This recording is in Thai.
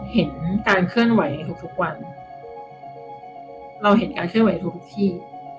เห็นการเคลื่อนไหวทุกวันเราเห็นการเคลื่อนไหวทุกที่